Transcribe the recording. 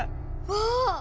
わあ！